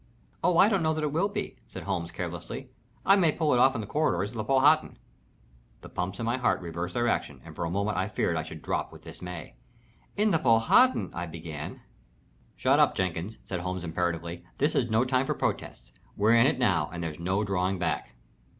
"Oh, I don't know that it will be," said Holmes, carelessly. "I may pull it off in the corridors of the Powhatan." The pumps in my heart reversed their action and for a moment I feared I should drop with dismay. "In the Powhatan " I began. "Shut up, Jenkins!" said Holmes, imperatively. "This is no time for protests. We're in it now and there's no drawing back."